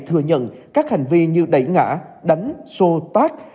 thừa nhận các hành vi như đẩy ngã đánh xô tác